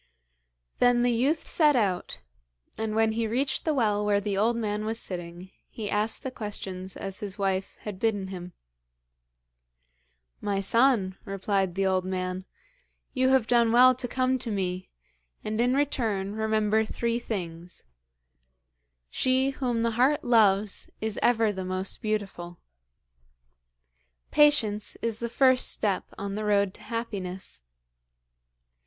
Then the youth set out, and when he reached the well where the old man was sitting he asked the questions as his wife had bidden him. 'My son,' replied the old man, 'you have done well to come to me, and in return remember three things: "She whom the heart loves, is ever the most beautiful." "Patience is the first step on the road to happiness."